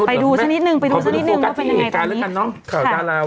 ไปดูชะนิดหนึ่งไปดูชะนิดหนึ่งก็ไปละกันน้อง